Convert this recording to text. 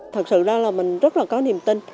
thật sự là mình rất là có niềm tin